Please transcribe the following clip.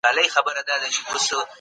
وروستی دیدن دی مخ را واړوه بیا نه راځمه